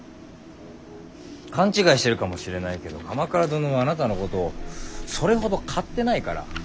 勘違いしてるかもしれないけど鎌倉殿はあなたのことそれほど買ってないから。